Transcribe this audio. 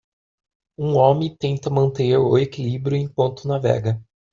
Um homem tenta manter o equilíbrio enquanto navega